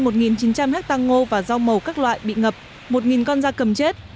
trên một chín trăm linh hectang ngô và rau màu các loại bị ngập một con da cầm chết